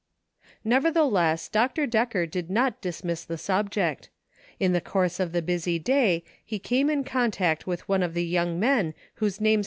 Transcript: Nevertheless, Dr. Decker did not dismiss the subject. In the course of the busy day he came in contact with one of the young men whose names 224 " VERY MUCH IMPROVED.